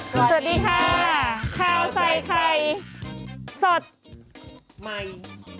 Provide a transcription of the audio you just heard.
สวัสดีค่ะข้าวใส่ไข่สดใหม่